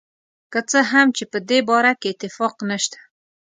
که څه هم چې په دې باره کې اتفاق نشته.